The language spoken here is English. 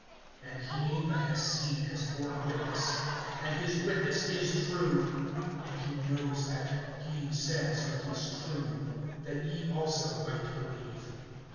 (35)And he that has seen has borne witness, and his witness is true, and he knows that he says what is true, that ye also might believe.